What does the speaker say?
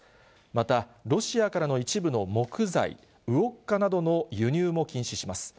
また、ロシアからの一部の木材、ウォッカなどの輸入も禁止します。